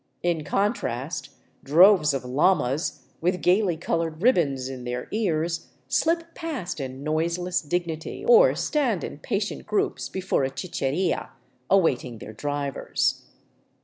In con trast, droves of llamas, with gaily colored ribbons in their ears, slip past in noiseless dignity, or stand in patient groups before a chicheria, awaiting their drivers.